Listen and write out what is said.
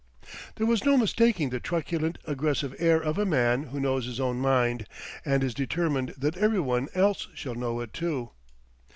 There was no mistaking that truculent, aggressive air of a man who knows his own mind, and is determined that every one else shall know it too.